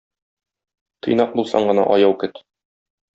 Тыйнак булсаң гына аяу көт!